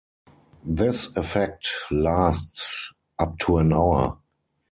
This effect lasts up to an hour.